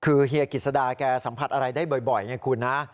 คือเฮียกิจสดาแกสัมผัสอะไรได้บ่อยไงคุณนะ